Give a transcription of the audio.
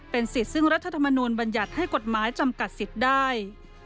สิทธิ์ซึ่งรัฐธรรมนูลบัญญัติให้กฎหมายจำกัดสิทธิ์ได้